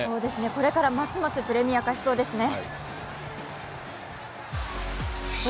これからますますプレミア化しそうですね。